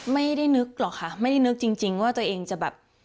ไม่ได้นึกหรอกค่ะไม่ได้นึกจริงว่าตัวเองจะแบบ